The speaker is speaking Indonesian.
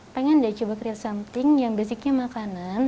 pengen deh coba create something yang basicnya makanan